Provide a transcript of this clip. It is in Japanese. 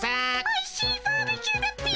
おいしいバーベキューだっピ。